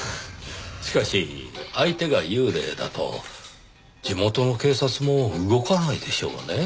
しかし相手が幽霊だと地元の警察も動かないでしょうねぇ。